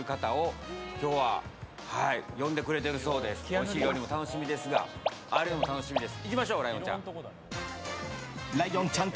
おいしい料理も楽しみですが会えるのも楽しみです。